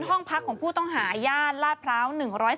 ห้องพักของผู้ต้องหาย่านลาดพร้าว๑๔